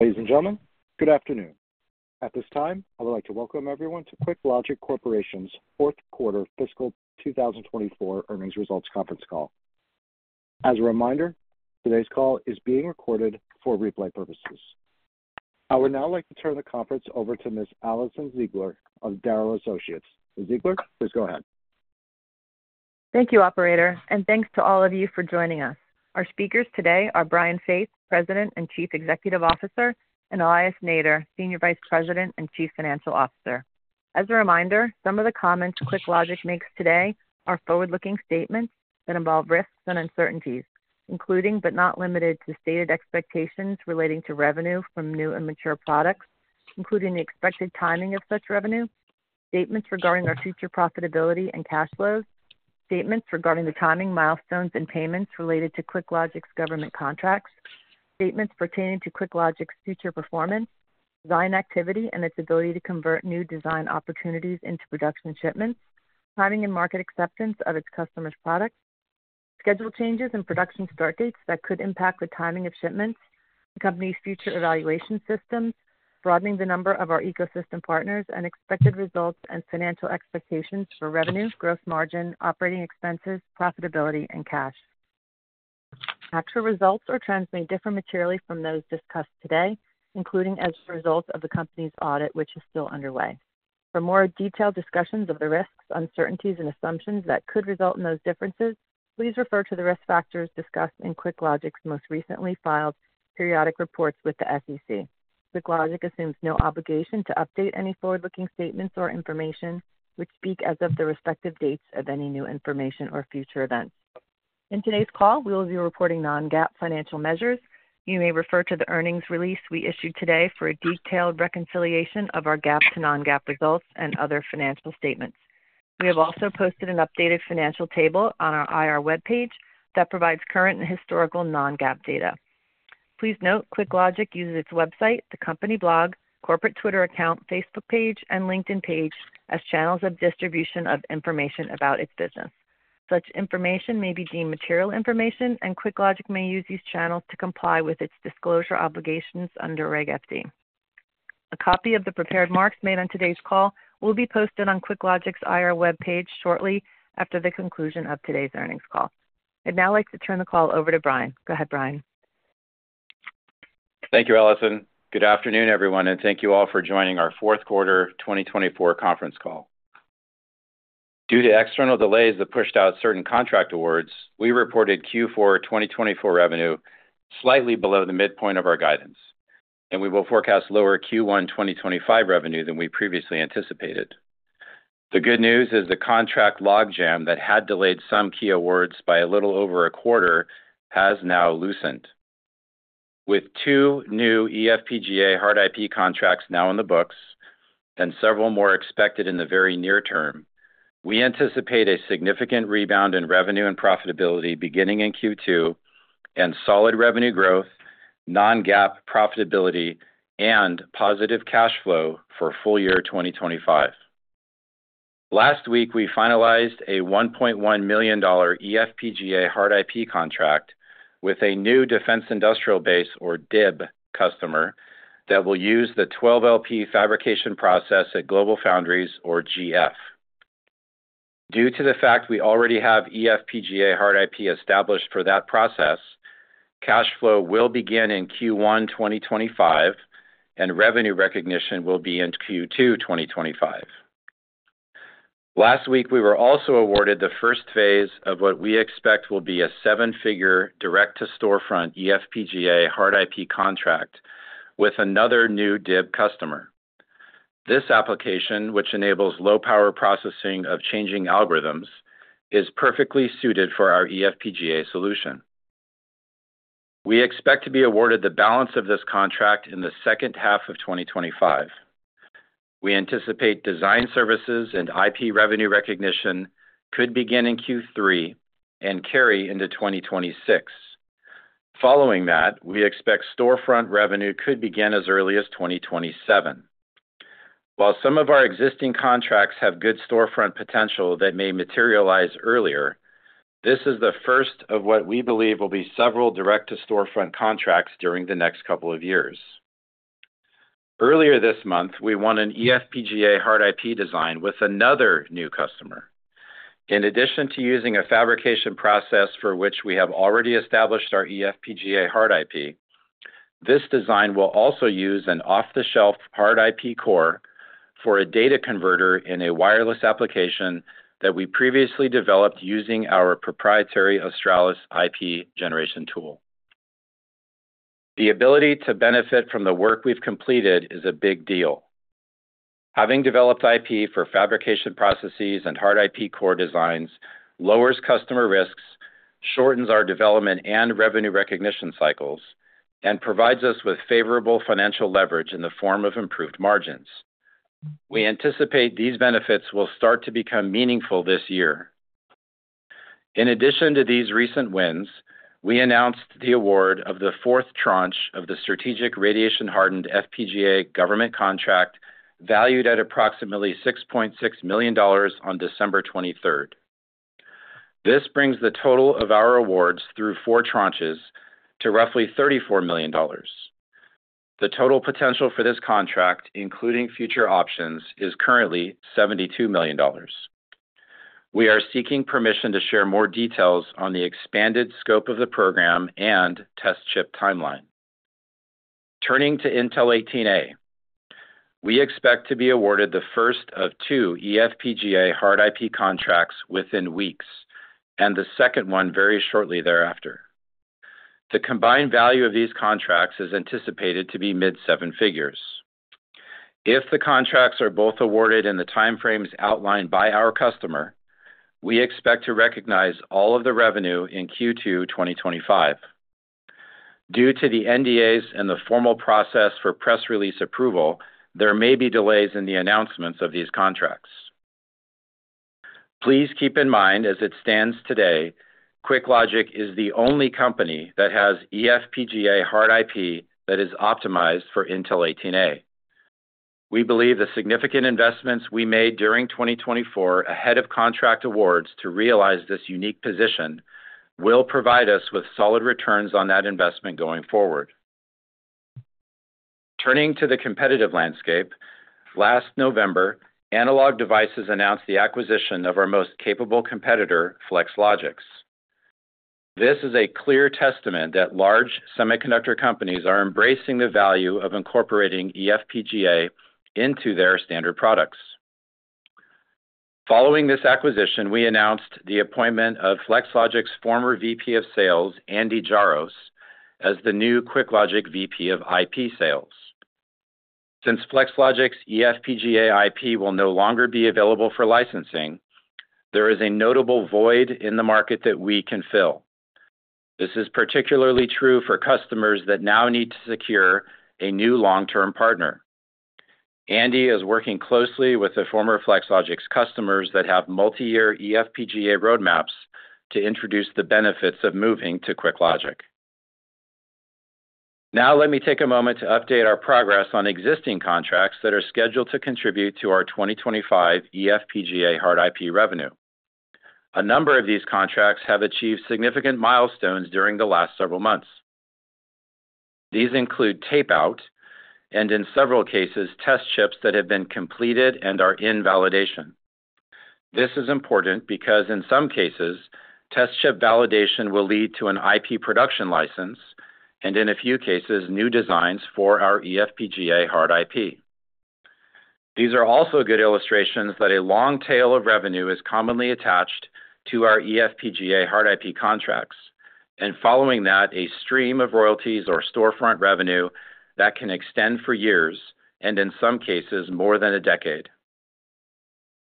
Ladies and gentlemen, good afternoon. At this time, I would like to welcome everyone to QuickLogic Corporation's fourth quarter fiscal 2024 earnings results conference call. As a reminder, today's call is being recorded for replay purposes. I would now like to turn the conference over to Ms. Alison Ziegler of Darrow Associates. Ms. Ziegler, please go ahead. Thank you, Operator, and thanks to all of you for joining us. Our speakers today are Brian Faith, President and Chief Executive Officer, and Elias Nader, Senior Vice President and Chief Financial Officer. As a reminder, some of the comments QuickLogic makes today are forward-looking statements that involve risks and uncertainties, including but not limited to stated expectations relating to revenue from new and mature products, including the expected timing of such revenue, statements regarding our future profitability and cash flows, statements regarding the timing milestones and payments related to QuickLogic's government contracts, statements pertaining to QuickLogic's future performance, design activity and its ability to convert new design opportunities into production shipments, timing and market acceptance of its customers' products, schedule changes in production start dates that could impact the timing of shipments, the company's future evaluation systems, broadening the number of our ecosystem partners, and expected results and financial expectations for revenue, gross margin, operating expenses, profitability, and cash. Actual results or trends may differ materially from those discussed today, including as a result of the company's audit, which is still underway. For more detailed discussions of the risks, uncertainties, and assumptions that could result in those differences, please refer to the risk factors discussed in QuickLogic's most recently filed periodic reports with the SEC. QuickLogic assumes no obligation to update any forward-looking statements or information which speak as of the respective dates of any new information or future events. In today's call, we will be reporting non-GAAP financial measures. You may refer to the earnings release we issued today for a detailed reconciliation of our GAAP to non-GAAP results and other financial statements. We have also posted an updated financial table on our IR web page that provides current and historical non-GAAP data. Please note QuickLogic uses its website, the company blog, corporate Twitter account, Facebook page, and LinkedIn page as channels of distribution of information about its business. Such information may be deemed material information, and QuickLogic may use these channels to comply with its disclosure obligations under Reg FD. A copy of the prepared marks made on today's call will be posted on QuickLogic's IR web page shortly after the conclusion of today's earnings call. I'd now like to turn the call over to Brian. Go ahead, Brian. Thank you, Alison. Good afternoon, everyone, and thank you all for joining our fourth quarter 2024 conference call. Due to external delays that pushed out certain contract awards, we reported Q4 2024 revenue slightly below the midpoint of our guidance, and we will forecast lower Q1 2025 revenue than we previously anticipated. The good news is the contract log jam that had delayed some key awards by a little over a quarter has now loosened. With two new eFPGA hard IP contracts now in the books and several more expected in the very near term, we anticipate a significant rebound in revenue and profitability beginning in Q2 and solid revenue growth, non-GAAP profitability, and positive cash flow for full year 2025. Last week, we finalized a $1.1 million eFPGA hard IP contract with a new Defense Industrial Base, or DIB, customer that will use the 12LP fabrication process at GlobalFoundries, or GF. Due to the fact we already have eFPGA hard IP established for that process, cash flow will begin in Q1 2025, and revenue recognition will be in Q2 2025. Last week, we were also awarded the first phase of what we expect will be a eFPGA hard IP contract with another new DIB customer. This application, which enables low-power processing of changing algorithms, is perfectly suited for our eFPGA solution. We expect to be awarded the balance of this contract in the second half of 2025. We anticipate design services and IP revenue recognition could begin in Q3 and carry into 2026. Following that, we expect Storefront revenue could begin as early as 2027. While some of our existing contracts have good Storefront potential that may materialize earlier, this is the first of what we believe will be several direct-to-Storefront contracts during the next couple of years. Earlier this month, we eFPGA hard IP design with another new customer. In addition to using a fabrication process for which we have already eFPGA hard IP, this design will also use an off-the-shelf hard IP core for a data converter in a wireless application that we previously developed using our proprietary Australis IP generation tool. The ability to benefit from the work we've completed is a big deal. Having developed IP for fabrication processes and hard IP core designs lowers customer risks, shortens our development and revenue recognition cycles, and provides us with favorable financial leverage in the form of improved margins. We anticipate these benefits will start to become meaningful this year. In addition to these recent wins, we announced the award of the fourth tranche of the Strategic Radiation-Hardened FPGA government contract valued at approximately $6.6 million on December 23rd. This brings the total of our awards through four tranches to roughly $34 million. The total potential for this contract, including future options, is currently $72 million. We are seeking permission to share more details on the expanded scope of the program and test chip timeline. Turning to Intel 18A, we expect to be awarded the first eFPGA hard IP contracts within weeks and the second one very shortly thereafter. The combined value of these contracts is anticipated to be mid-seven figures. If the contracts are both awarded in the timeframes outlined by our customer, we expect to recognize all of the revenue in Q2 2025. Due to the NDAs and the formal process for press release approval, there may be delays in the announcements of these contracts. Please keep in mind, as it stands today, QuickLogic is the only company eFPGA hard IP that is optimized for Intel 18A. We believe the significant investments we made during 2024 ahead of contract awards to realize this unique position will provide us with solid returns on that investment going forward. Turning to the competitive landscape, last November, Analog Devices announced the acquisition of our most capable competitor, Flex Logix. This is a clear testament that large semiconductor companies are embracing the value of incorporating eFPGA into their standard products. Following this acquisition, we announced the appointment of Flex Logix's former VP of Sales, Andy Jaros, as the new QuickLogic VP of IP Sales. Since Flex Logix' eFPGA IP will no longer be available for licensing, there is a notable void in the market that we can fill. This is particularly true for customers that now need to secure a new long-term partner. Andy is working closely with the former Flex Logix customers that have multi-year eFPGA roadmaps to introduce the benefits of moving to QuickLogic. Now, let me take a moment to update our progress on existing contracts that are scheduled to contribute to eFPGA hard IP revenue. A number of these contracts have achieved significant milestones during the last several months. These include tape-out and, in several cases, test chips that have been completed and are in validation. This is important because, in some cases, test chip validation will lead to an IP production license and, in a few cases, new designs for our eFPGA hard IP. These are also good illustrations that a long tail of revenue is commonly attached eFPGA hard IP contracts, and following that, a stream of royalties or Storefront revenue that can extend for years and, in some cases, more than a decade.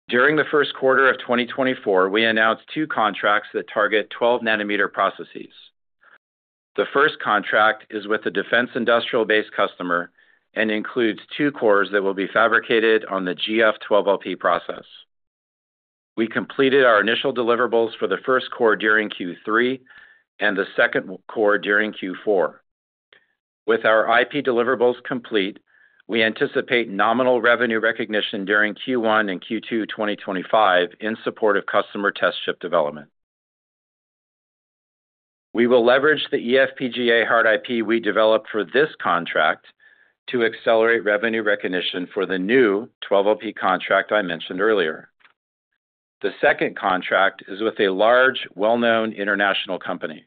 During the first quarter of 2024, we announced two contracts that target 12nm processes. The first contract is with a Defense Industrial Base customer and includes two cores that will be fabricated on the GF 12LP process. We completed our initial deliverables for the first core during Q3 and the second core during Q4. With our IP deliverables complete, we anticipate nominal revenue recognition during Q1 and Q2 2025 in support of customer test chip development. We will eFPGA hard IP we developed for this contract to accelerate revenue recognition for the new 12LP contract I mentioned earlier. The second contract is with a large, well-known international company.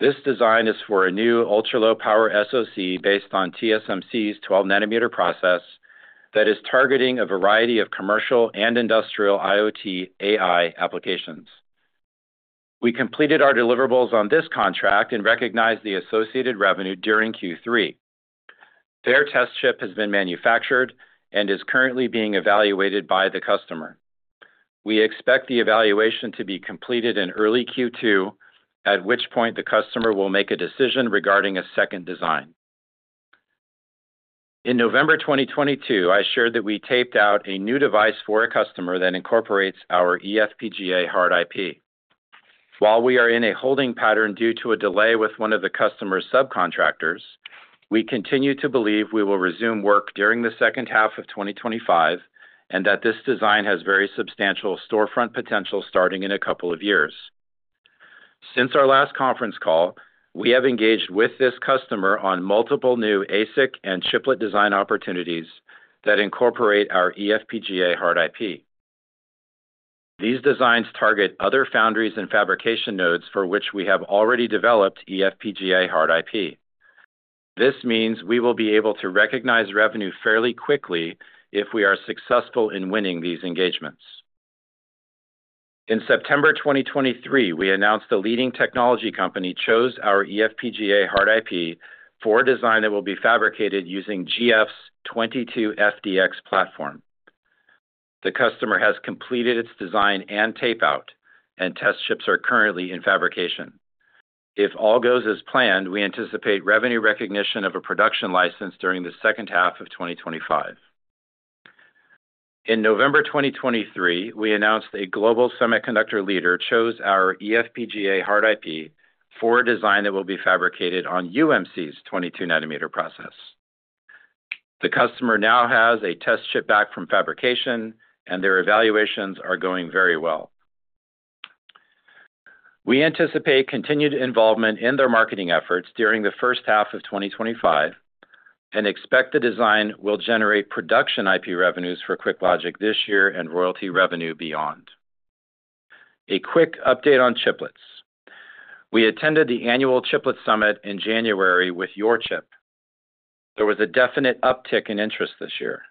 This design is for a new ultra-low-power SoC based on TSMC's 12nm process that is targeting a variety of commercial and industrial IoT AI applications. We completed our deliverables on this contract and recognized the associated revenue during Q3. Their test chip has been manufactured and is currently being evaluated by the customer. We expect the evaluation to be completed in early Q2, at which point the customer will make a decision regarding a second design. In November 2022, I shared that we taped out a new device for a customer that incorporates our eFPGA hard IP. While we are in a holding pattern due to a delay with one of the customer's subcontractors, we continue to believe we will resume work during the second half of 2025 and that this design has very substantial Storefront potential starting in a couple of years. Since our last conference call, we have engaged with this customer on multiple new ASIC and chiplet design opportunities that eFPGA hard IP. These designs target other foundries and fabrication nodes for which we have eFPGA hard IP. This means we will be able to recognize revenue fairly quickly if we are successful in winning these engagements. In September 2023, we announced the leading technology company eFPGA hard IP for a design that will be fabricated using GF's 22FDX platform. The customer has completed its design and tape-out, and test chips are currently in fabrication. If all goes as planned, we anticipate revenue recognition of a production license during the second half of 2025. In November 2023, we announced a global semiconductor leader eFPGA hard IP for a design that will be fabricated on UMC's 22nm process. The customer now has a test chip back from fabrication, and their evaluations are going very well. We anticipate continued involvement in their marketing efforts during the first half of 2025 and expect the design will generate production IP revenues for QuickLogic this year and royalty revenue beyond. A quick update on chiplets. We attended the annual Chiplet Summit in January with YorChip. There was a definite uptick in interest this year.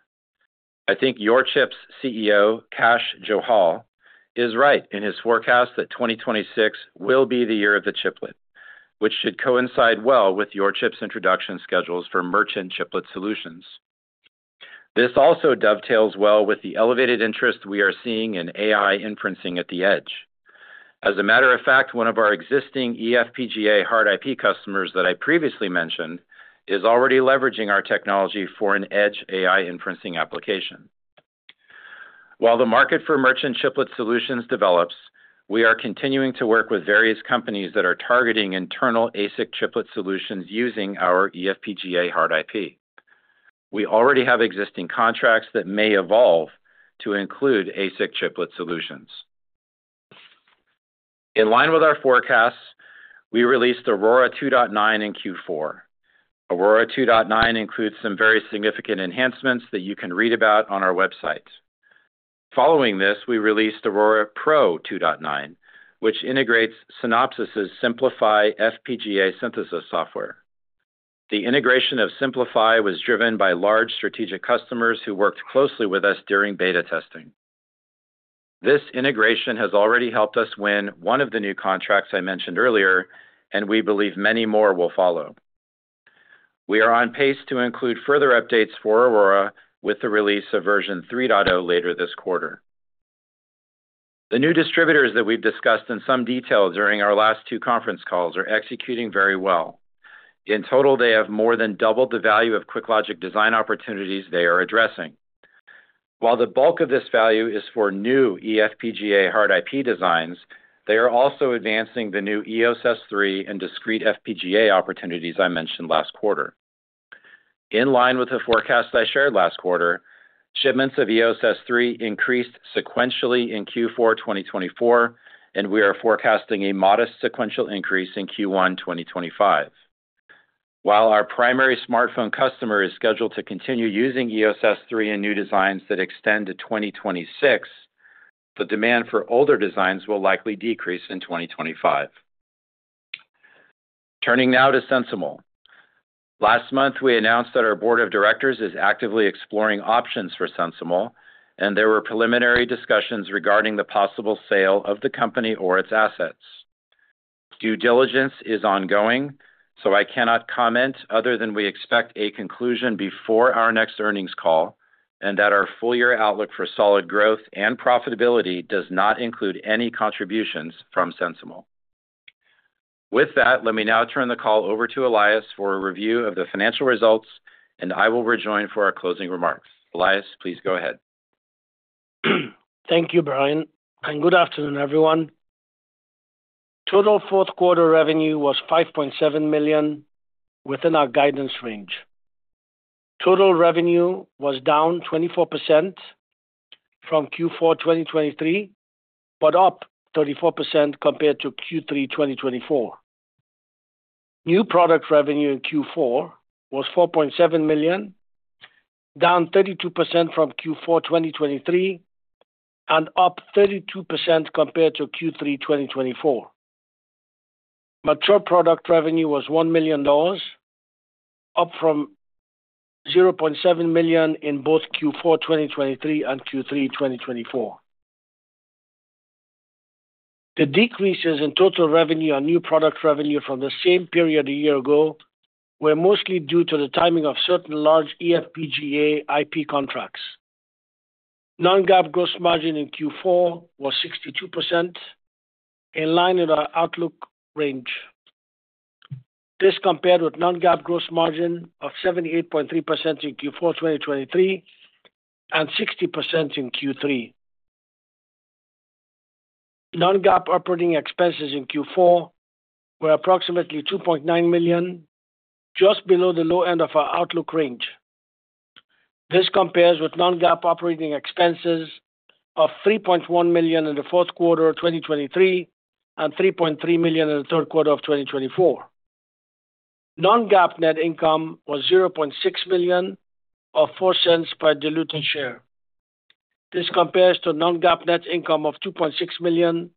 I think YorChip's CEO, Kash Johal, is right in his forecast that 2026 will be the year of the chiplet, which should coincide well with YorChip's introduction schedules for merchant chiplet solutions. This also dovetails well with the elevated interest we are seeing in AI inferencing at the edge. As a matter of fact, one of eFPGA hard IP customers that I previously mentioned is already leveraging our technology for an edge AI inferencing application. While the market for merchant chiplet solutions develops, we are continuing to work with various companies that are targeting internal ASIC chiplet solutions eFPGA hard IP. We already have existing contracts that may evolve to include ASIC chiplet solutions. In line with our forecasts, we released Aurora 2.9 in Q4. Aurora 2.9 includes some very significant enhancements that you can read about on our website. Following this, we released Aurora Pro 2.9, which integrates Synopsys's Synplify FPGA synthesis software. The integration of Synplify was driven by large strategic customers who worked closely with us during beta testing. This integration has already helped us win one of the new contracts I mentioned earlier, and we believe many more will follow. We are on pace to include further updates for Aurora with the release of version 3.0 later this quarter. The new distributors that we've discussed in some detail during our last two conference calls are executing very well. In total, they have more than doubled the value of QuickLogic design opportunities they are addressing. While the bulk of this value is eFPGA hard IP designs, they are also advancing the new EOS S3 and discrete FPGA opportunities I mentioned last quarter. In line with the forecast I shared last quarter, shipments of EOS S3 increased sequentially in Q4 2024, and we are forecasting a modest sequential increase in Q1 2025. While our primary smartphone customer is scheduled to continue using EOS S3 and new designs that extend to 2026, the demand for older designs will likely decrease in 2025. Turning now to SensiML. Last month, we announced that our board of directors is actively exploring options for SensiML, and there were preliminary discussions regarding the possible sale of the company or its assets. Due diligence is ongoing, so I cannot comment other than we expect a conclusion before our next earnings call and that our full-year outlook for solid growth and profitability does not include any contributions from SensiML. With that, let me now turn the call over to Elias for a review of the financial results, and I will rejoin for our closing remarks. Elias, please go ahead. Thank you, Brian, and good afternoon, everyone. Total fourth quarter revenue was $5.7 million within our guidance range. Total revenue was down 24% from Q4 2023, but up 34% compared to Q3 2024. New product revenue in Q4 was $4.7 million, down 32% from Q4 2023 and up 32% compared to Q3 2024. Mature product revenue was $1 million, up from $0.7 million in both Q4 2023 and Q3 2024. The decreases in total revenue and new product revenue from the same period a year ago were mostly due to the timing of certain large eFPGA IP contracts. Non-GAAP gross margin in Q4 was 62%, in line with our outlook range. This compared with non-GAAP gross margin of 78.3% in Q4 2023 and 60% in Q3. Non-GAAP operating expenses in Q4 were approximately $2.9 million, just below the low end of our outlook range. This compares with non-GAAP operating expenses of $3.1 million in the fourth quarter of 2023 and $3.3 million in the third quarter of 2024. Non-GAAP net income was $0.6 million or $0.04 per diluted share. This compares to non-GAAP net income of $2.6 million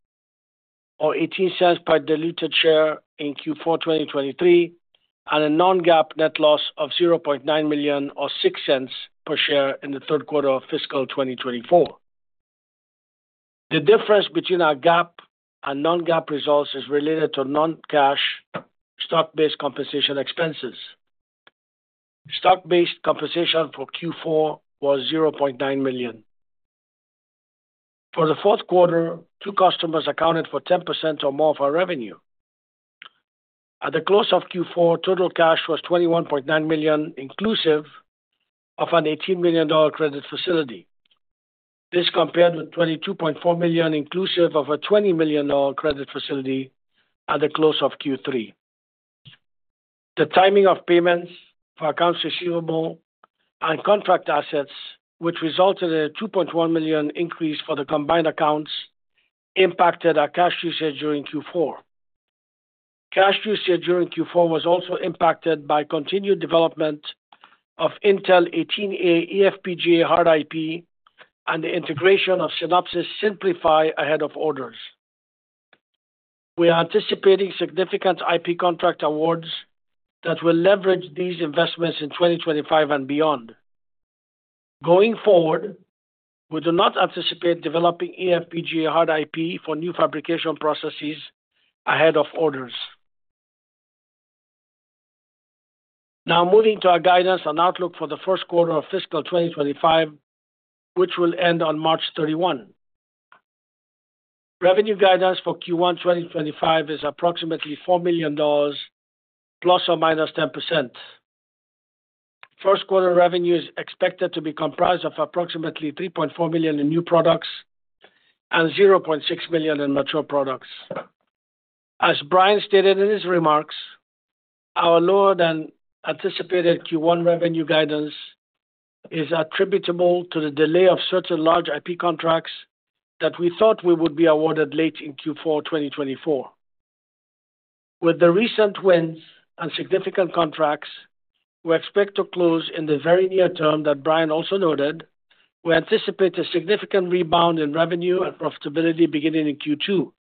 or $0.18 per diluted share in Q4 2023 and a non-GAAP net loss of $0.9 million or $0.06 per share in the third quarter of fiscal 2024. The difference between our GAAP and non-GAAP results is related to non-cash stock-based compensation expenses. Stock-based compensation for Q4 was $0.9 million. For the fourth quarter, two customers accounted for 10% or more of our revenue. At the close of Q4, total cash was $21.9 million inclusive of an $18 million credit facility. This compared with $22.4 million inclusive of a $20 million credit facility at the close of Q3. The timing of payments for accounts receivable and contract assets, which resulted in a $2.1 million increase for the combined accounts, impacted our cash usage during Q4. Cash usage during Q4 was also impacted by continued development of eFPGA hard IP and the integration of Synopsys Synplify ahead of orders. We are anticipating significant IP contract awards that will leverage these investments in 2025 and beyond. Going forward, we do not anticipate developing eFPGA hard IP for new fabrication processes ahead of orders. Now, moving to our guidance and outlook for the first quarter of fiscal 2025, which will end on March 31. Revenue guidance for Q1 2025 is approximately $4 million, plus or minus 10%. First quarter revenue is expected to be comprised of approximately $3.4 million in new products and $0.6 million in mature products. As Brian stated in his remarks, our lower-than-anticipated Q1 revenue guidance is attributable to the delay of certain large IP contracts that we thought we would be awarded late in Q4 2024. With the recent wins and significant contracts we expect to close in the very near term that Brian also noted, we anticipate a significant rebound in revenue and profitability beginning in Q2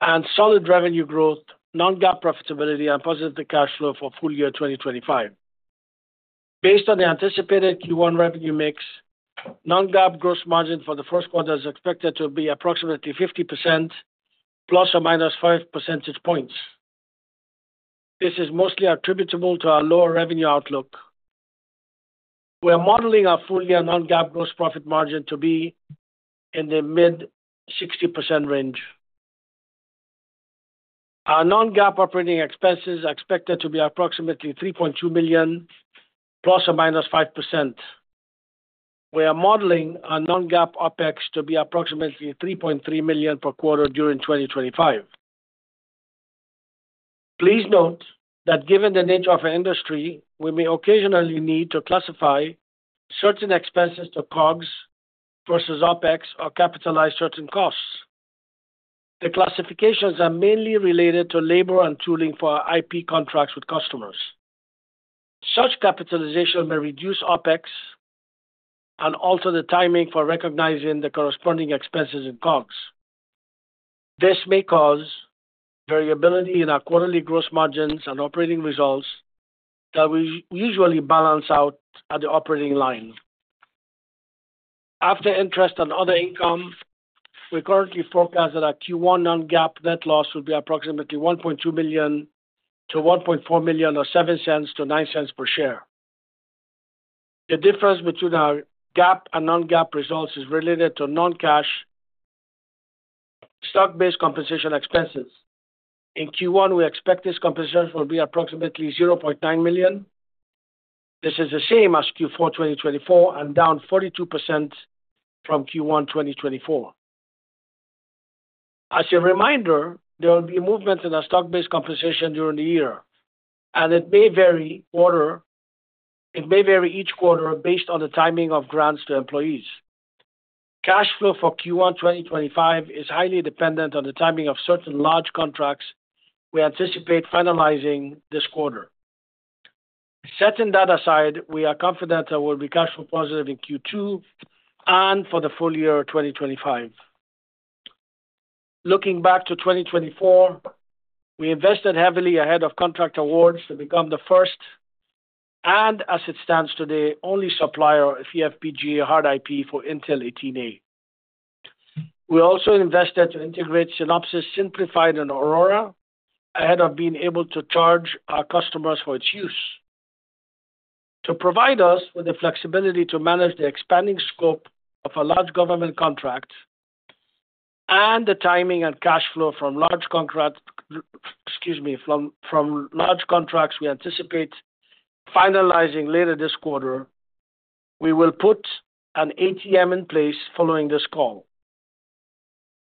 and solid revenue growth, non-GAAP profitability, and positive cash flow for full year 2025. Based on the anticipated Q1 revenue mix, non-GAAP gross margin for the first quarter is expected to be approximately 50%, plus or minus 5 percentage points. This is mostly attributable to our lower revenue outlook. We are modeling our full-year non-GAAP gross profit margin to be in the mid-60% range. Our non-GAAP operating expenses are expected to be approximately $3.2 million, plus or minus 5%. We are modeling our non-GAAP OPEX to be approximately $3.3 million per quarter during 2025. Please note that given the nature of our industry, we may occasionally need to classify certain expenses to COGS versus OPEX or capitalize certain costs. The classifications are mainly related to labor and tooling for our IP contracts with customers. Such capitalization may reduce OPEX and alter the timing for recognizing the corresponding expenses in COGS. This may cause variability in our quarterly gross margins and operating results that we usually balance out at the operating line. After interest and other income, we currently forecast that our Q1 non-GAAP net loss will be approximately $1.2 million-$1.4 million or $0.07-$0.09 per share. The difference between our GAAP and non-GAAP results is related to non-cash stock-based compensation expenses. In Q1, we expect these compensations will be approximately $0.9 million. This is the same as Q4 2024 and down 42% from Q1 2024. As a reminder, there will be movements in our stock-based compensation during the year, and it may vary each quarter based on the timing of grants to employees. Cash flow for Q1 2025 is highly dependent on the timing of certain large contracts we anticipate finalizing this quarter. Setting that aside, we are confident there will be cash flow positive in Q2 and for the full year 2025. Looking back to 2024, we invested heavily ahead of contract awards to become the first and, as it stands today, only eFPGA hard IP for Intel 18A. We also invested to integrate Synopsys Synplify and Aurora ahead of being able to charge our customers for its use. To provide us with the flexibility to manage the expanding scope of a large government contract and the timing and cash flow from large contracts we anticipate finalizing later this quarter, we will put an ATM in place following this call.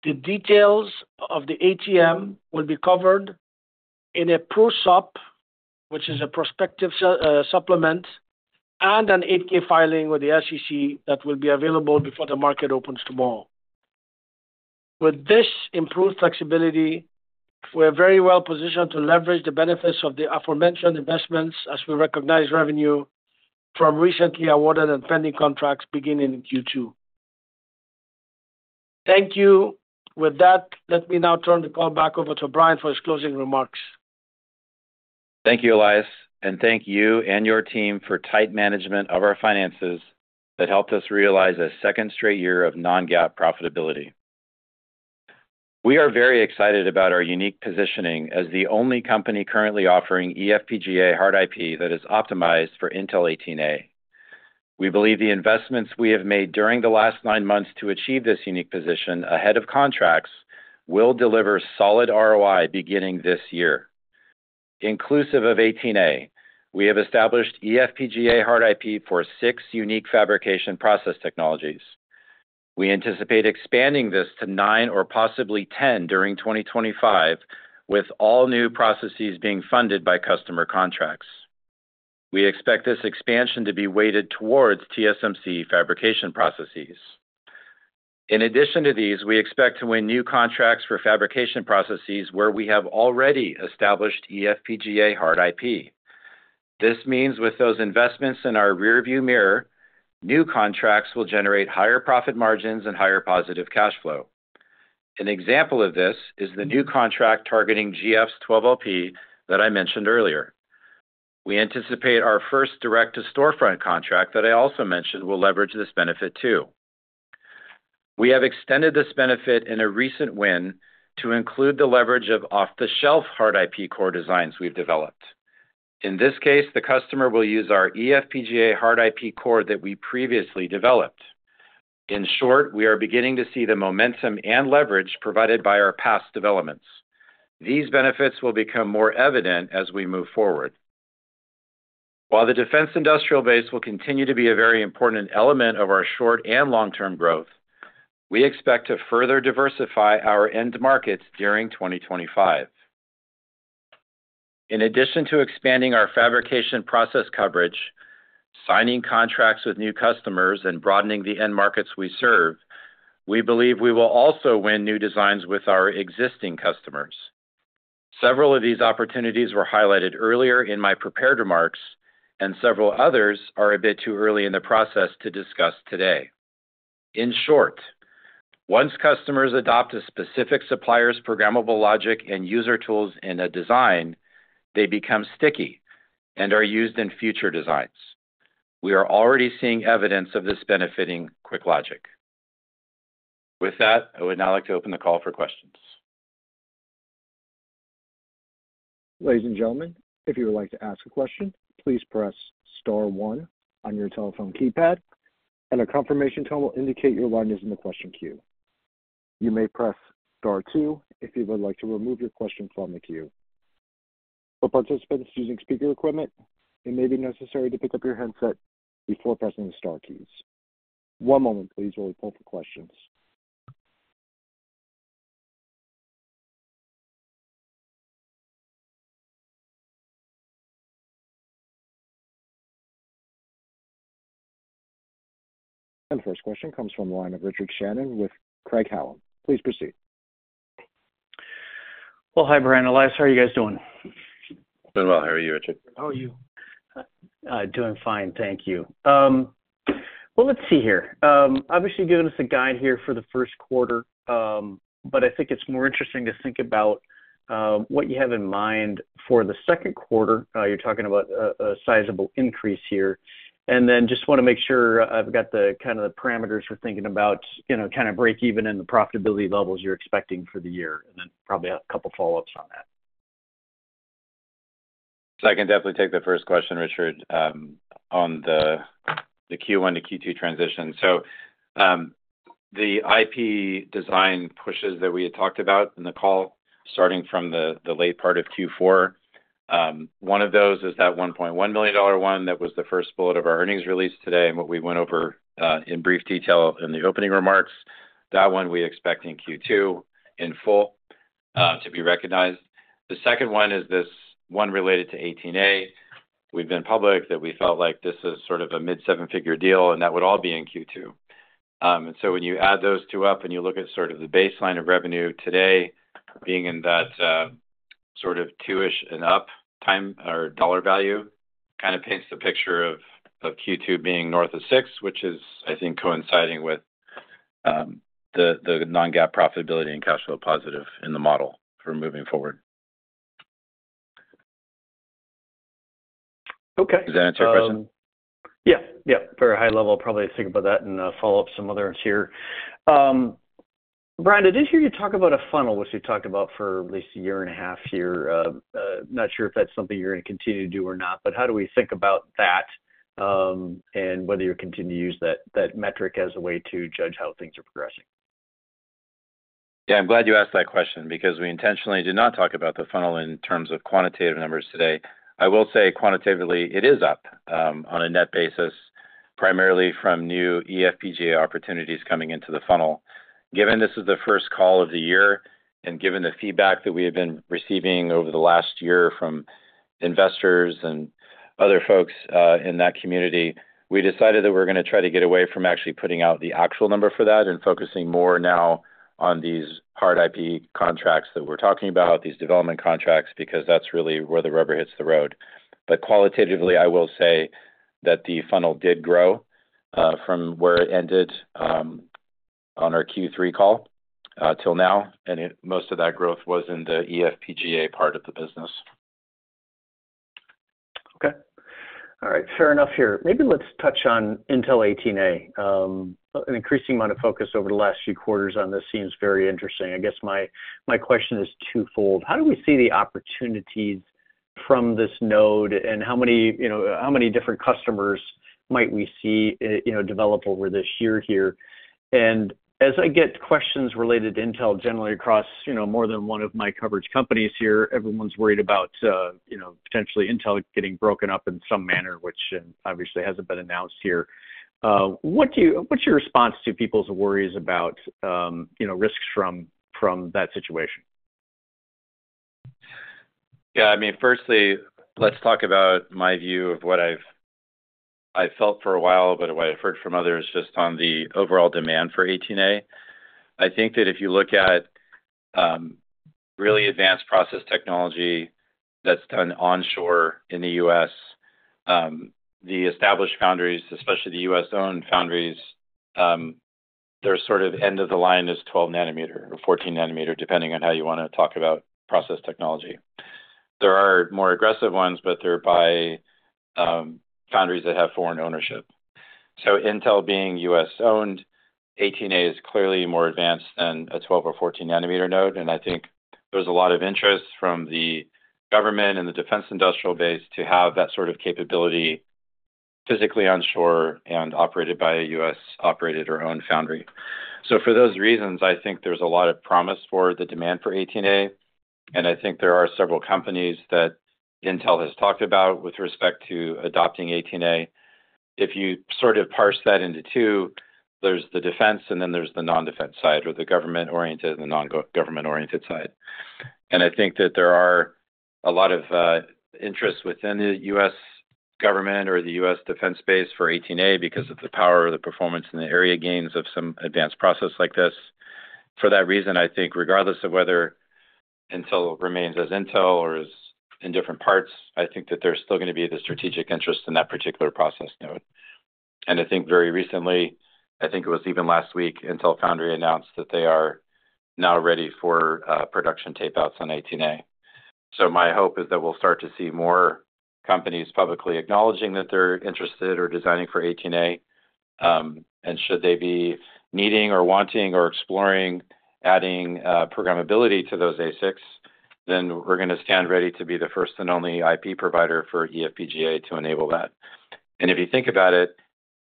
The details of the ATM will be covered in a pro supp, which is a prospectus supplement, and an 8-K filing with the SEC that will be available before the market opens tomorrow. With this improved flexibility, we are very well positioned to leverage the benefits of the aforementioned investments as we recognize revenue from recently awarded and pending contracts beginning in Q2. Thank you. With that, let me now turn the call back over to Brian for his closing remarks. Thank you, Elias, and thank you and your team for tight management of our finances that helped us realize a second straight year of non-GAAP profitability. We are very excited about our unique positioning as the only company eFPGA hard IP that is optimized for Intel 18A. We believe the investments we have made during the last nine months to achieve this unique position ahead of contracts will deliver solid ROI beginning this year. Inclusive of 18A, we eFPGA hard IP for six unique fabrication process technologies. We anticipate expanding this to nine or possibly ten during 2025, with all new processes being funded by customer contracts. We expect this expansion to be weighted towards TSMC fabrication processes. In addition to these, we expect to win new contracts for fabrication processes where we have already established eFPGA hard IP. This means with those investments in our rearview mirror, new contracts will generate higher profit margins and higher positive cash flow. An example of this is the new contract targeting GF's 12LP that I mentioned earlier. We anticipate our first Direct to Storefront contract that I also mentioned will leverage this benefit too. We have extended this benefit in a recent win to include the leverage of off-the-shelf hard IP core designs we've developed. In this case, the customer will eFPGA hard IP core that we previously developed. In short, we are beginning to see the momentum and leverage provided by our past developments. These benefits will become more evident as we move forward. While the defense industrial base will continue to be a very important element of our short and long-term growth, we expect to further diversify our end markets during 2025. In addition to expanding our fabrication process coverage, signing contracts with new customers, and broadening the end markets we serve, we believe we will also win new designs with our existing customers. Several of these opportunities were highlighted earlier in my prepared remarks, and several others are a bit too early in the process to discuss today. In short, once customers adopt a specific supplier's programmable logic and user tools in a design, they become sticky and are used in future designs. We are already seeing evidence of this benefiting QuickLogic. With that, I would now like to open the call for questions. Ladies and gentlemen, if you would like to ask a question, please press star one on your telephone keypad, and a confirmation tone will indicate your line is in the question queue. You may press star two if you would like to remove your question from the queue. For participants using speaker equipment, it may be necessary to pick up your headset before pressing the star keys. One moment, please, while we pull up the questions. The first question comes from the line of Richard Shannon with Craig-Hallum. Please proceed. Hi, Brian. Elias, how are you guys doing? Doing well. How are you, Richard? How are you? Doing fine. Thank you. Let's see here. Obviously, giving us a guide here for the first quarter, but I think it's more interesting to think about what you have in mind for the second quarter. You're talking about a sizable increase here. I just want to make sure I've got the kind of the parameters we're thinking about, kind of break even in the profitability levels you're expecting for the year, and then probably a couple of follow-ups on that. I can definitely take the first question, Richard, on the Q1 to Q2 transition. The IP design pushes that we had talked about in the call, starting from the late part of Q4, one of those is that $1.1 million one that was the first bullet of our earnings release today and what we went over in brief detail in the opening remarks. That one we expect in Q2 in full to be recognized. The second one is this one related to 18A. We've been public that we felt like this is sort of a mid-seven-figure deal, and that would all be in Q2. When you add those two up and you look at sort of the baseline of revenue today, being in that sort of two-ish and up dollar value, kind of paints the picture of Q2 being north of $6 million, which is, I think, coinciding with the non-GAAP profitability and cash flow positive in the model for moving forward. Does that answer your question? Yeah. Yeah. For a high level, probably think about that and follow up some others here. Brian, I did hear you talk about a funnel, which you talked about for at least a year and a half here. Not sure if that's something you're going to continue to do or not, but how do we think about that and whether you continue to use that metric as a way to judge how things are progressing? Yeah. I'm glad you asked that question because we intentionally did not talk about the funnel in terms of quantitative numbers today. I will say quantitatively, it is up on a net basis, primarily from new eFPGA opportunities coming into the funnel. Given this is the first call of the year and given the feedback that we have been receiving over the last year from investors and other folks in that community, we decided that we're going to try to get away from actually putting out the actual number for that and focusing more now on these hard IP contracts that we're talking about, these development contracts, because that's really where the rubber hits the road. Qualitatively, I will say that the funnel did grow from where it ended on our Q3 call till now, and most of that growth was in the eFPGA part of the business. Okay. All right. Fair enough here. Maybe let's touch on Intel 18A. An increasing amount of focus over the last few quarters on this seems very interesting. I guess my question is twofold. How do we see the opportunities from this node, and how many different customers might we see develop over this year here? As I get questions related to Intel generally across more than one of my coverage companies here, everyone's worried about potentially Intel getting broken up in some manner, which obviously hasn't been announced here. What's your response to people's worries about risks from that situation? Yeah. I mean, firstly, let's talk about my view of what I've felt for a while but what I've heard from others just on the overall demand for 18A. I think that if you look at really advanced process technology that's done onshore in the U.S., the established foundries, especially the U.S.-owned foundries, they're sort of end-of-the-line as 12nm or 14nm, depending on how you want to talk about process technology. There are more aggressive ones, but they're by foundries that have foreign ownership. Intel being U.S.-owned, 18A is clearly more advanced than a 12nm or 14nm node. I think there's a lot of interest from the government and the defense industrial base to have that sort of capability physically onshore and operated by a U.S.-operated or owned foundry. For those reasons, I think there's a lot of promise for the demand for 18A. I think there are several companies that Intel has talked about with respect to adopting 18A. If you sort of parse that into two, there's the defense, and then there's the non-defense side or the government-oriented and the non-government-oriented side. I think that there are a lot of interest within the U.S. government or the U.S. defense base for 18A because of the power or the performance and the area gains of some advanced process like this. For that reason, I think regardless of whether Intel remains as Intel or is in different parts, I think that there's still going to be the strategic interest in that particular process node. I think very recently, I think it was even last week, Intel Foundry announced that they are now ready for production tape-outs on 18A. My hope is that we'll start to see more companies publicly acknowledging that they're interested or designing for 18A. Should they be needing or wanting or exploring adding programmability to those ASICs, then we're going to stand ready to be the first and only IP provider for eFPGA to enable that. If you think about it,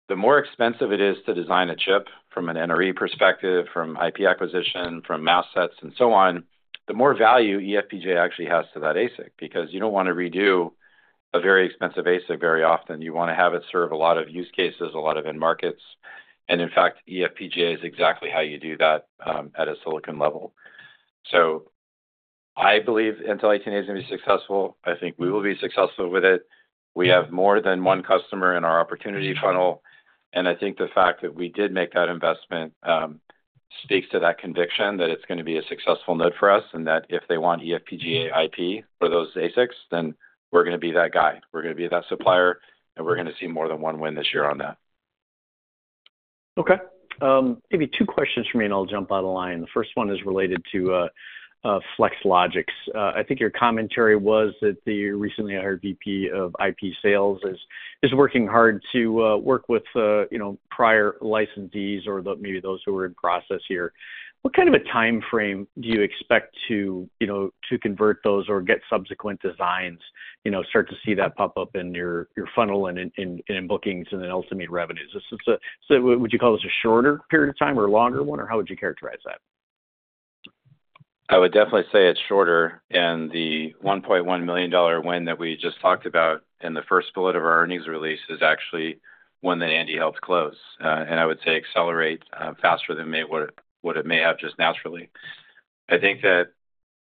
the more expensive it is to design a chip from an NRE perspective, from IP acquisition, from mask sets, and so on, the more value eFPGA actually has to that ASIC because you don't want to redo a very expensive ASIC very often. You want to have it serve a lot of use cases, a lot of end markets. In fact, eFPGA is exactly how you do that at a silicon level. I believe Intel 18A is going to be successful. I think we will be successful with it. We have more than one customer in our opportunity funnel. I think the fact that we did make that investment speaks to that conviction that it's going to be a successful node for us and that if they want eFPGA IP for those ASICs, then we're going to be that guy. We're going to be that supplier, and we're going to see more than one win this year on that. Okay. Maybe two questions for me, and I'll jump out of line. The first one is related to Flex Logix. I think your commentary was that the recently hired VP of IP sales is working hard to work with prior licensees or maybe those who are in process here. What kind of a timeframe do you expect to convert those or get subsequent designs, start to see that pop up in your funnel and in bookings and then ultimate revenues? Would you call this a shorter period of time or a longer one, or how would you characterize that? I would definitely say it's shorter. The $1.1 million win that we just talked about in the first bullet of our earnings release is actually one that Andy helped close. I would say accelerate faster than what it may have just naturally. I think that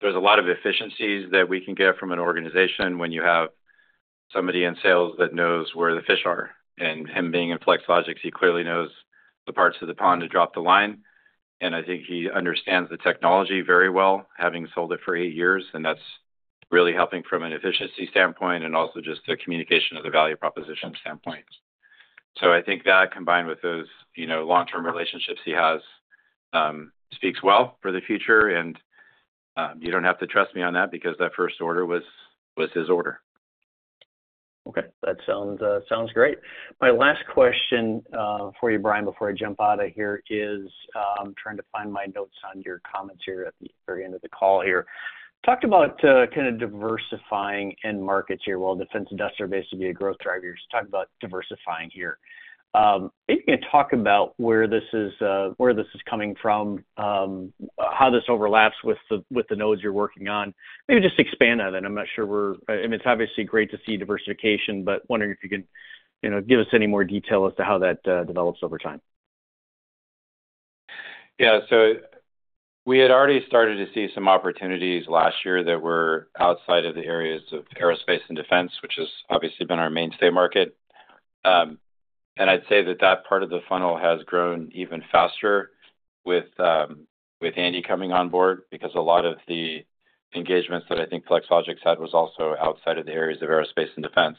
there's a lot of efficiencies that we can get from an organization when you have somebody in sales that knows where the fish are. Him being in Flex Logix, he clearly knows the parts of the pond to drop the line. I think he understands the technology very well, having sold it for eight years, and that's really helping from an efficiency standpoint and also just the communication of the value proposition standpoint. I think that combined with those long-term relationships he has speaks well for the future. You do not have to trust me on that because that first order was his order. Okay. That sounds great. My last question for you, Brian, before I jump out of here is I'm trying to find my notes on your comments here at the very end of the call here. Talked about kind of diversifying end markets here. Defense industries are basically a growth driver. You just talked about diversifying here. Maybe you can talk about where this is coming from, how this overlaps with the nodes you're working on? Maybe just expand on it. I'm not sure we're, I mean, it's obviously great to see diversification, but wondering if you can give us any more detail as to how that develops over time? Yeah. We had already started to see some opportunities last year that were outside of the areas of aerospace and defense, which has obviously been our mainstay market. I'd say that part of the funnel has grown even faster with Andy coming on board because a lot of the engagements that I think Flex Logix had was also outside of the areas of aerospace and defense.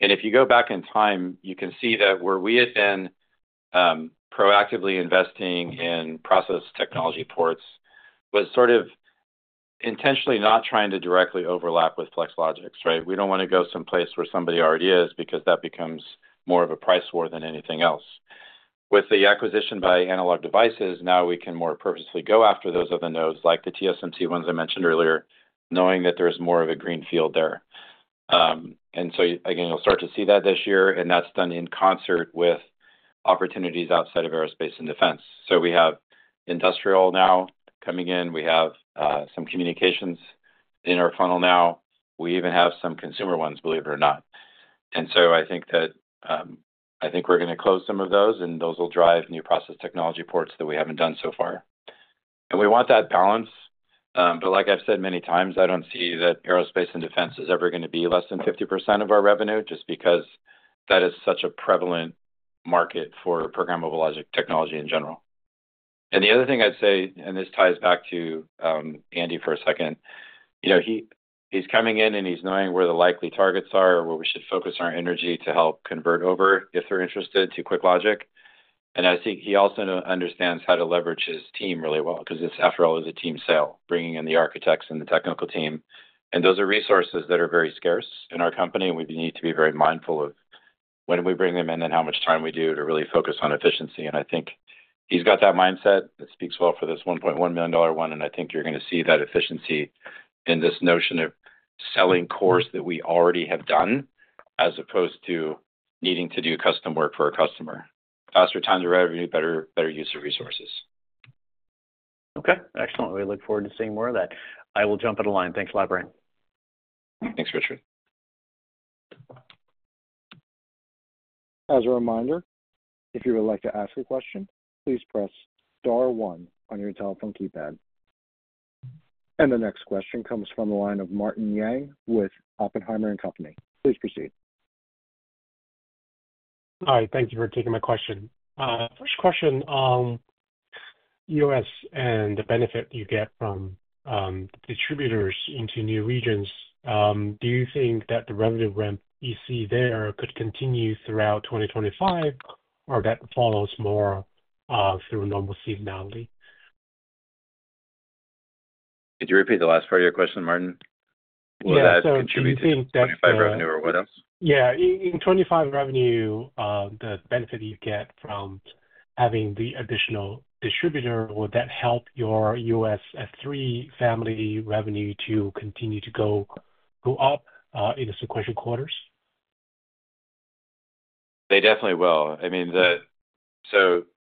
If you go back in time, you can see that where we had been proactively investing in process technology ports was sort of intentionally not trying to directly overlap with Flex Logix, right? We do not want to go someplace where somebody already is because that becomes more of a price war than anything else. With the acquisition by Analog Devices, now we can more purposely go after those other nodes like the TSMC ones I mentioned earlier, knowing that there's more of a green field there. You'll start to see that this year, and that's done in concert with opportunities outside of aerospace and defense. We have industrial now coming in. We have some communications in our funnel now. We even have some consumer ones, believe it or not. I think we're going to close some of those, and those will drive new process technology ports that we haven't done so far. We want that balance. Like I've said many times, I don't see that aerospace and defense is ever going to be less than 50% of our revenue just because that is such a prevalent market for programmable logic technology in general. The other thing I'd say, and this ties back to Andy for a second, he's coming in, and he's knowing where the likely targets are or where we should focus our energy to help convert over if they're interested to QuickLogic. I think he also understands how to leverage his team really well because it's after all, it's a team sale, bringing in the architects and the technical team. Those are resources that are very scarce in our company. We need to be very mindful of when we bring them in and how much time we do to really focus on efficiency. I think he's got that mindset. It speaks well for this $1.1 million one. I think you're going to see that efficiency in this notion of selling cores that we already have done as opposed to needing to do custom work for a customer. Faster times of revenue, better use of resources. Okay. Excellent. We look forward to seeing more of that. I will jump out of line. Thanks a lot, Brian. Thanks, Richard. As a reminder, if you would like to ask a question, please press star one on your telephone keypad. The next question comes from the line of Martin Yang with Oppenheimer and Company. Please proceed. All right. Thank you for taking my question. First question, U.S. and the benefit you get from distributors into new regions, do you think that the revenue ramp you see there could continue throughout 2025 or that follows more through normal seasonality? Could you repeat the last part of your question, Martin? Yeah. Do you think that— What do you think that 25 revenue or what else? Yeah. In 2025 revenue, the benefit you get from having the additional distributor, would that help your EOS S3 family revenue to continue to go up in the sequential quarters? They definitely will. I mean,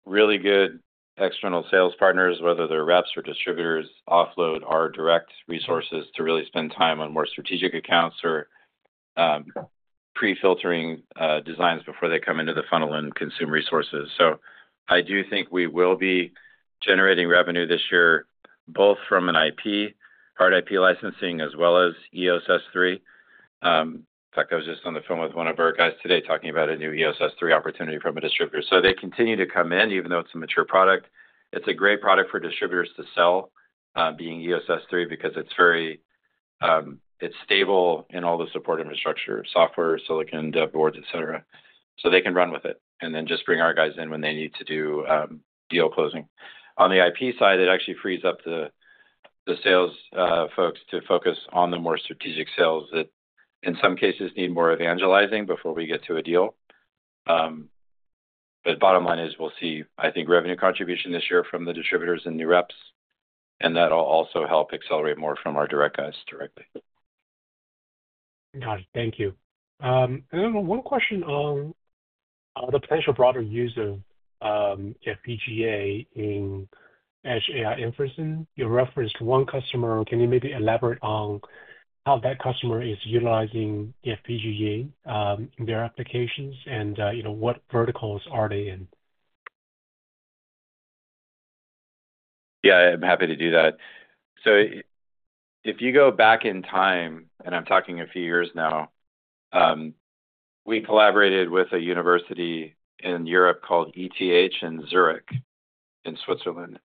really good external sales partners, whether they're reps or distributors, offload our direct resources to really spend time on more strategic accounts or pre-filtering designs before they come into the funnel and consume resources. I do think we will be generating revenue this year both from an IP, hard IP licensing, as well as EOS S3. In fact, I was just on the phone with one of our guys today talking about a new EOS S3 opportunity from a distributor. They continue to come in, even though it's a mature product. It's a great product for distributors to sell being EOS S3 because it's stable in all the support infrastructure: software, silicon, dev boards, etc. They can run with it and then just bring our guys in when they need to do deal closing. On the IP side, it actually frees up the sales folks to focus on the more strategic sales that in some cases need more evangelizing before we get to a deal. The bottom line is we'll see, I think, revenue contribution this year from the distributors and new reps, and that'll also help accelerate more from our direct guys directly. Got it. Thank you. One question on the potential broader use of FPGA in edge AI inferencing. You referenced one customer. Can you maybe elaborate on how that customer is utilizing FPGA in their applications and what verticals are they in? Yeah. I'm happy to do that. If you go back in time, and I'm talking a few years now, we collaborated with a university in Europe called ETH in Zürich in Switzerland.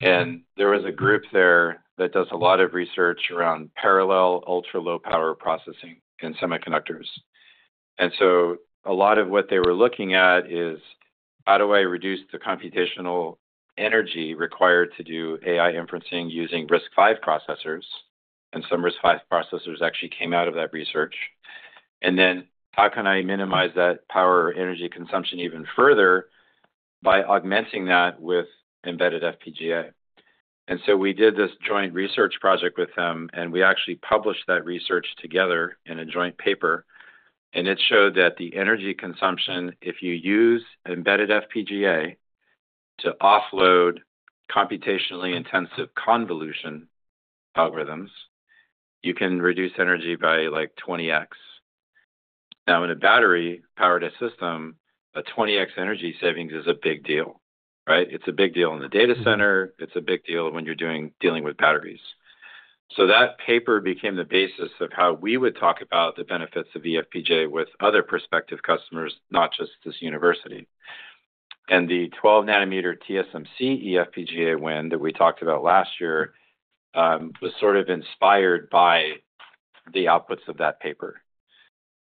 There was a group there that does a lot of research around Parallel Ultra-Low Power processing in semiconductors. A lot of what they were looking at is, how do I reduce the computational energy required to do AI inferencing using RISC-V processors? Some RISC-V processors actually came out of that research. How can I minimize that power or energy consumption even further by augmenting that with embedded FPGA? We did this joint research project with them, and we actually published that research together in a joint paper. It showed that the energy consumption, if you use embedded FPGA to offload computationally intensive convolution algorithms, you can reduce energy by like 20x. In a battery-powered system, a 20x energy savings is a big deal, right? It's a big deal in the data center. It's a big deal when you're dealing with batteries. That paper became the basis of how we would talk about the benefits of eFPGA with other prospective customers, not just this university. The 12nm TSMC eFPGA win that we talked about last year was sort of inspired by the outputs of that paper.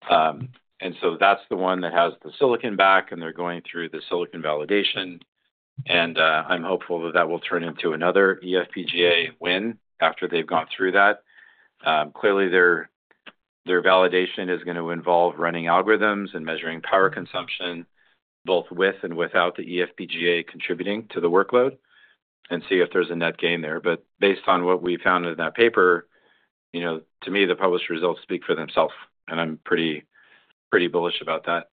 That's the one that has the silicon back, and they're going through the silicon validation. I'm hopeful that that will turn into another eFPGA win after they've gone through that. Clearly, their validation is going to involve running algorithms and measuring power consumption both with and without the eFPGA contributing to the workload and see if there's a net gain there. Based on what we found in that paper, to me, the published results speak for themselves, and I'm pretty bullish about that.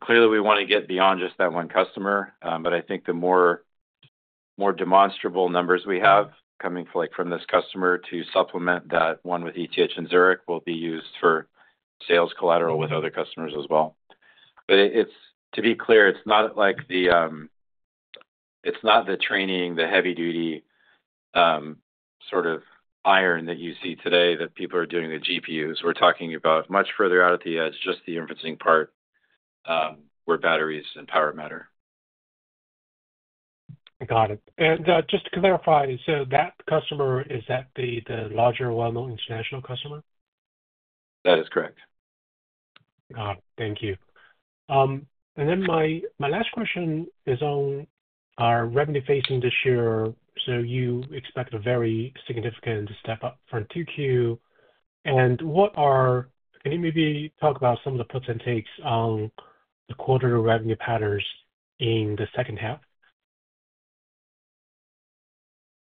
Clearly, we want to get beyond just that one customer, but I think the more demonstrable numbers we have coming from this customer to supplement that one with ETH in Zürich will be used for sales collateral with other customers as well. To be clear, it's not the training, the heavy-duty sort of iron that you see today that people are doing the GPUs. We're talking about much further out at the edge, just the inferencing part where batteries and power matter. Got it. Just to clarify, so that customer, is that the larger well known international customer? That is correct. Got it. Thank you. My last question is on our revenue facing this year. You expect a very significant step up from Q2. Can you maybe talk about some of the puts and takes on the quarterly revenue patterns in the second half?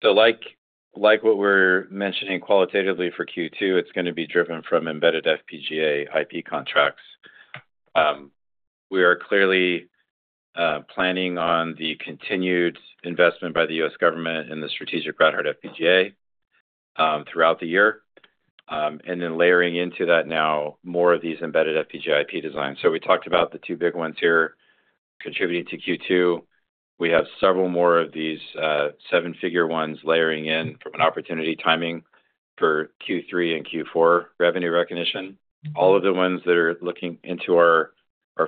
Like what we're mentioning qualitatively for Q2, it's going to be driven from embedded FPGA IP contracts. We are clearly planning on the continued investment by the U.S. government in the Strategic Rad-Hard FPGA throughout the year, and then layering into that now more of these embedded FPGA IP designs. We talked about the two big ones here contributing to Q2. We have several more of these seven-figure ones layering in from an opportunity timing for Q3 and Q4 revenue recognition. All of the ones that are looking into our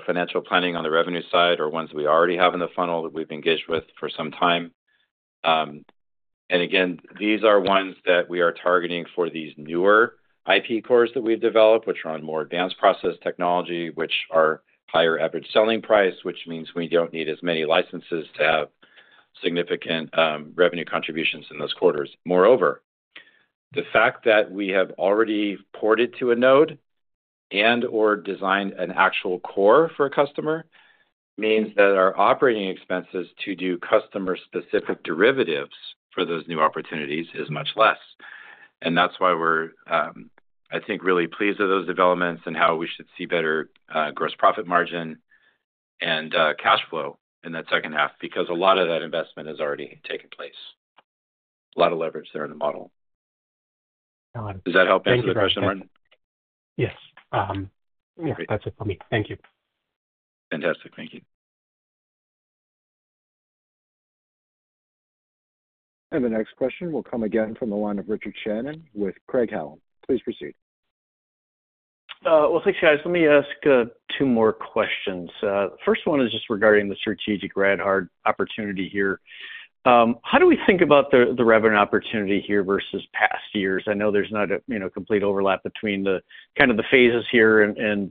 financial planning on the revenue side are ones we already have in the funnel that we've engaged with for some time. These are ones that we are targeting for these newer IP cores that we've developed, which are on more advanced process technology, which are higher average selling price, which means we do not need as many licenses to have significant revenue contributions in those quarters. Moreover, the fact that we have already ported to a node and/or designed an actual core for a customer means that our operating expenses to do customer-specific derivatives for those new opportunities is much less. That is why we are, I think, really pleased with those developments and how we should see better gross profit margin and cash flow in that second half because a lot of that investment has already taken place. A lot of leverage there in the model. Does that help answer the question, Martin? Yes. Yeah. That's it for me. Thank you. Fantastic. Thank you. The next question will come again from the line of Richard Shannon with Craig-Hallum. Please proceed. Thanks, guys. Let me ask two more questions. The first one is just regarding the strategic Radiation-Hardened opportunity here. How do we think about the revenue opportunity here versus past years? I know there's not a complete overlap between the kind of the phases here and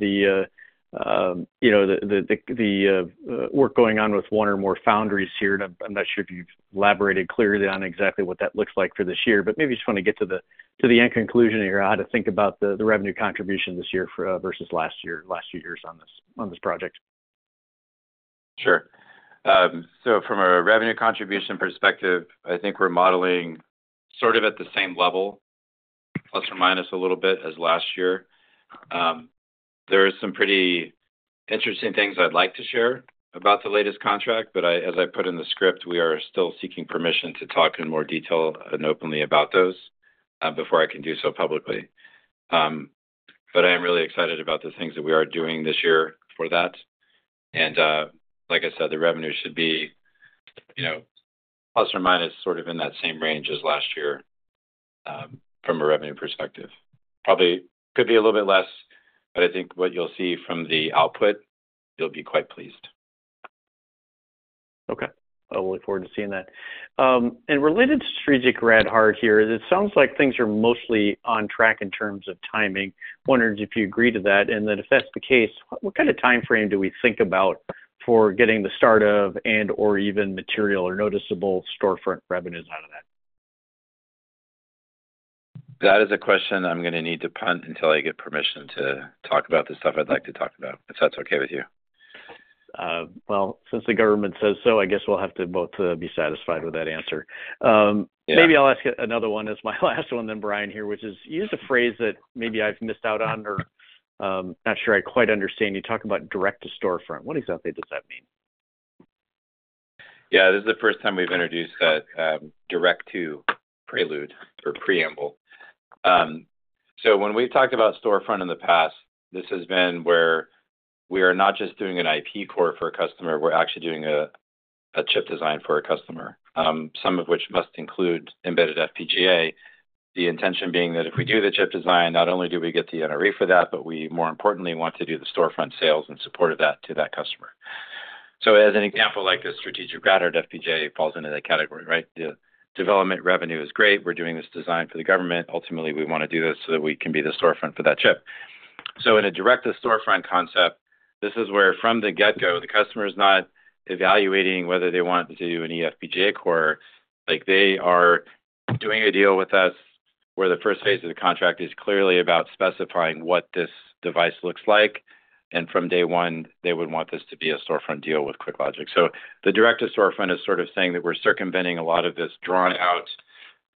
the work going on with one or more foundries here. I'm not sure if you've elaborated clearly on exactly what that looks like for this year, but maybe just want to get to the end conclusion here, how to think about the revenue contribution this year versus last year, last few years on this project. Sure. From a revenue contribution perspective, I think we're modeling sort of at the same level, plus or minus a little bit as last year. There are some pretty interesting things I'd like to share about the latest contract, but as I put in the script, we are still seeking permission to talk in more detail and openly about those before I can do so publicly. I am really excited about the things that we are doing this year for that. Like I said, the revenue should be plus or minus sort of in that same range as last year from a revenue perspective. Probably could be a little bit less, but I think what you'll see from the output, you'll be quite pleased. Okay. I will look forward to seeing that. Related to Strategic Rad-Hard here, it sounds like things are mostly on track in terms of timing. Wondering if you agree to that. If that's the case, what kind of time frame do we think about for getting the start of and/or even material or noticeable Storefront revenues out of that? That is a question I'm going to need to punt until I get permission to talk about the stuff I'd like to talk about, if that's okay with you. Since the government says so, I guess we'll have to both be satisfied with that answer. Maybe I'll ask another one as my last one then, Brian, here, which is you used a phrase that maybe I've missed out on or not sure I quite understand. You talk about Direct to Storefront. What exactly does that mean? Yeah. This is the first time we've introduced that direct to prelude or preamble. When we've talked about Storefront in the past, this has been where we are not just doing an IP core for a customer. We're actually doing a chip design for a customer, some of which must include embedded FPGA, the intention being that if we do the chip design, not only do we get the NRE for that, but we, more importantly, want to do the Storefront sales in support of that to that customer. As an example, like the Strategic Rad-Hard FPGA falls into that category, right? The development revenue is great. We're doing this design for the government. Ultimately, we want to do this so that we can be the Storefront for that chip. In a Direct to Storefront concept, this is where from the get-go, the customer is not evaluating whether they want to do an eFPGA core. They are doing a deal with us where the first phase of the contract is clearly about specifying what this device looks like. From day one, they would want this to be a Storefront deal with QuickLogic. The Direct to Storefront is sort of saying that we're circumventing a lot of this drawn-out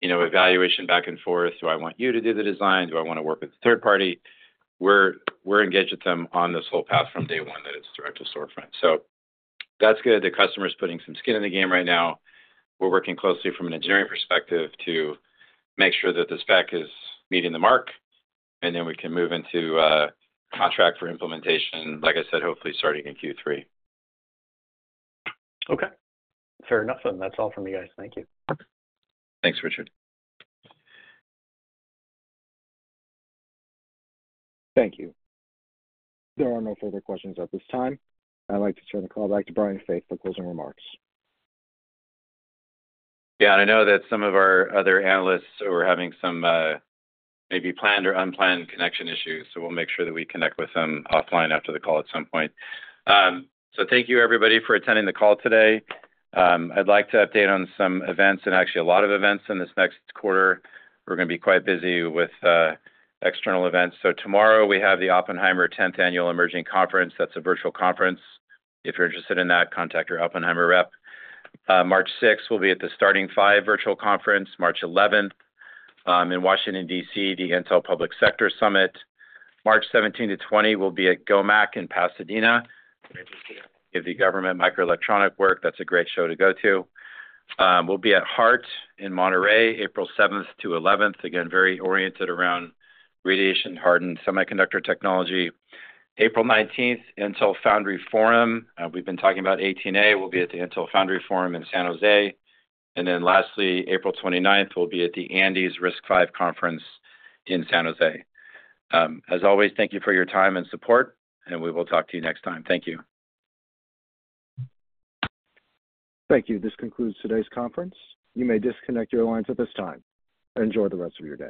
evaluation back and forth. Do I want you to do the design? Do I want to work with a third party? We're engaged with them on this whole path from day one that it's Direct to Storefront. That's good. The customer is putting some skin in the game right now. We're working closely from an engineering perspective to make sure that the spec is meeting the mark, and then we can move into contract for implementation, like I said, hopefully starting in Q3. Okay. Fair enough. That is all from you guys. Thank you. Thanks, Richard. Thank you. There are no further questions at this time. I'd like to turn the call back to Brian Faith for closing remarks. Yeah. I know that some of our other analysts were having some maybe planned or unplanned connection issues, so we'll make sure that we connect with them offline after the call at some point. Thank you, everybody, for attending the call today. I'd like to update on some events and actually a lot of events in this next quarter. We're going to be quite busy with external events. Tomorrow, we have the Oppenheimer 10th Annual Emerging Conference. That's a virtual conference. If you're interested in that, contact your Oppenheimer rep. March 6th, we'll be at the Starting Five Virtual Conference. March 11th, in Washington, DC, the Intel Public Sector Summit. March 17th to 20th, we'll be at GOMAC in Pasadena. If you're interested in the government microelectronic work, that's a great show to go to. We'll be at HEART in Monterey, April 7th to 11th. Again, very oriented around radiation-hardened semiconductor technology. April 19th, Intel Foundry Forum. We've been talking about 18A. We'll be at the Intel Foundry Forum in San Jose. Lastly, April 29th, we'll be at the Andes RISC-V Conference in San Jose. As always, thank you for your time and support, and we will talk to you next time. Thank you. Thank you. This concludes today's conference. You may disconnect your lines at this time. Enjoy the rest of your day.